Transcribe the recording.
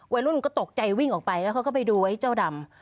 วัยรุ่นก็ตกใจวิ่งออกไปแล้วเขาก็ไปดูไว้เจ้าดำ